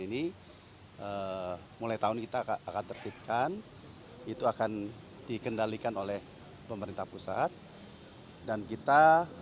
ini mulai tahun kita akan tertibkan itu akan dikendalikan oleh pemerintah pusat dan kita akan mencari pengaturan yang lebih baik untuk pengaturan berat dan volume